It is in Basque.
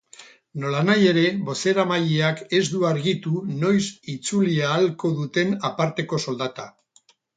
Nolanahi ere, bozeramaileak ez du argitu noiz itzuli ahalko duten aparteko soldata.